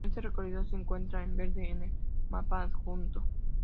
Este recorrido se encuentra en verde en el mapa adjunto.